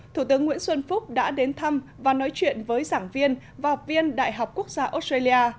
thủ tướng nguyễn xuân phúc đã đến thăm và nói chuyện với giảng viên và học viên đại học quốc gia australia